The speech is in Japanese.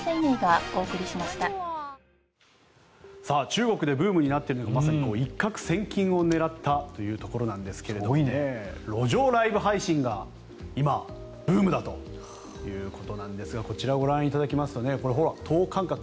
中国でブームになっているのがまさに一獲千金を狙ったというところなんですが路上ライブ配信が今ブームだということなんですがこちらをご覧いただきますと等間隔